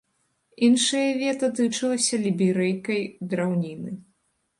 Іншае вета тычылася ліберыйкай драўніны.